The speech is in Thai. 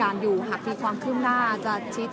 และที่อยู่ด้านหลังคุณยิ่งรักนะคะก็คือนางสาวคัตยาสวัสดีผลนะคะ